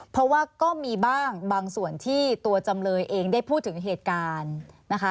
เพราะว่าก็มีบ้างบางส่วนที่ตัวจำเลยเองได้พูดถึงเหตุการณ์นะคะ